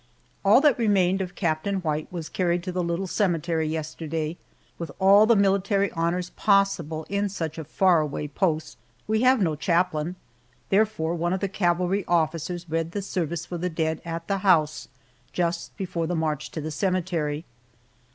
ALL that remained of Captain White was carried to the little cemetery yesterday, with all the military honors possible at such a far away post We have no chaplain, therefore one of the cavalry officers read the service for the dead at the house, just before the march to the cemetery.